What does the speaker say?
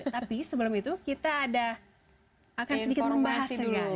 tapi sebelum itu kita ada akan sedikit membahas